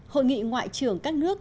hội nghị ngoại trưởng các nước